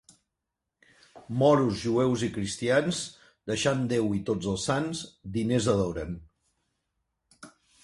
Moros, jueus i cristians, deixant Déu i tots els sants, diners adoren.